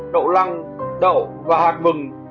đậu lăng đậu và hạt mừng